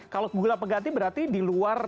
kalau gula peganti berarti di luar